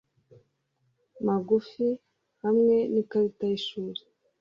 magufi hamwe nikarita yishuri